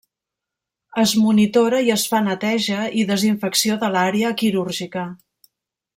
Es monitora i es fa neteja i desinfecció de l'àrea quirúrgica.